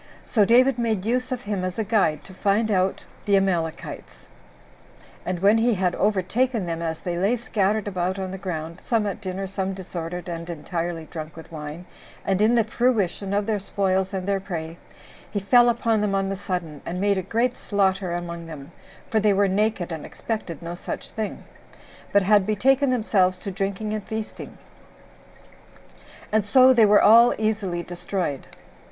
So David made use of him as a guide to find oat the Amalekites; and when he had overtaken them, as they lay scattered about on the ground, some at dinner, some disordered, and entirely drunk with wine, and in the fruition of their spoils and their prey, he fell upon them on the sudden, and made a great slaughter among them; for they were naked, and expected no such thing, but had betaken themselves to drinking and feasting; and so they were all easily destroyed.